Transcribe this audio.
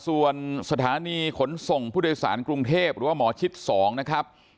ส่วนสถานีขนส่งผู้โดยสารกรุงเทพหรือว่าหมอชิด๒นะครับ